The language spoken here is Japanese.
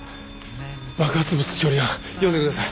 爆発物処理班呼んでください。